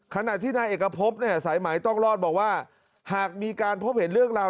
ขณะที่นายเอกพบเนี่ยสายไหมต้องรอดบอกว่าหากมีการพบเห็นเรื่องราว